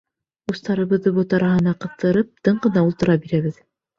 Устарыбыҙҙы бот араһына ҡыҫтырып тын ғына ултыра бирәбеҙ.